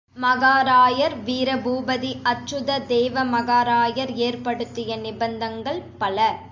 மகாராயர், வீரபூபதி அச்சுததேவ மகாராயர் ஏற்படுத்திய நிபந்தங்கள் பல.